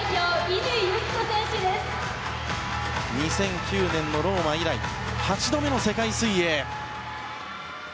２００９年のローマ以来８度目の世界水泳。